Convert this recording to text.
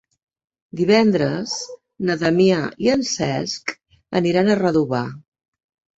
Divendres na Damià i en Cesc aniran a Redovà.